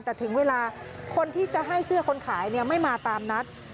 แต่ถึงเวลาคนที่จะให้เสื้อคนขายไม่มาตามนัด